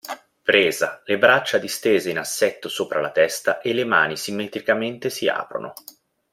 Presa: le braccia distese in assetto sopra la testa e le mani, simmetricamente, si aprono.